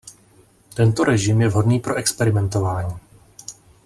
Tento režim je vhodný pro experimentování.